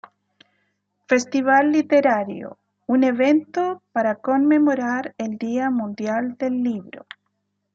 Festival Literario" un evento para conmemorar el Día Mundial del Libro.